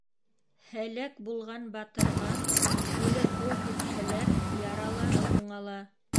Һәләк булған батырға үле һыу һипһәләр, яралары уңала.